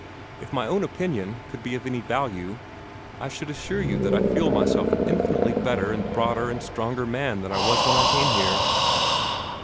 If my own opinion could be of any value, I should assure you that I feel myself an infinitely better and broader and stronger man than I was when I came here."